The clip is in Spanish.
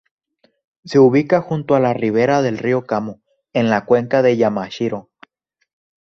Se ubica junto a la ribera del río Kamo en la cuenca de Yamashiro.